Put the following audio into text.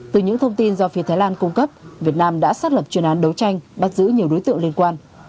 từ những thông tin do phía thái lan cung cấp việt nam đã xác lập chuyên án đấu tranh bắt giữ nhiều đối tượng liên quan